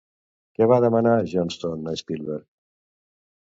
Què va demanar Johnston a Spielberg?